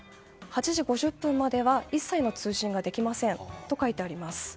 ８時５０分までは一切の通信ができませんと書いてあります。